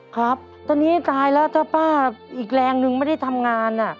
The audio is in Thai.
ครับตอนนี้ตายแล้วถ้าป้าอีกแรงนึงไม่ได้ทำงาน